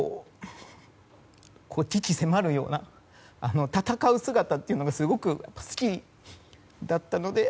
鬼気迫るような戦う姿というのがすごく好きだったので。